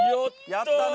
やったね！